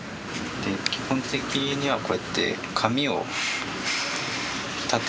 基本的にはこうやって紙を立てて落ちる影ですね。